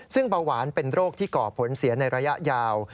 ซึ่งเบาหวานเป็นโรคที่ก่อผลเสียในระยะยาว